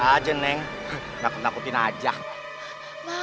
ada ada aku taruh atas meja kok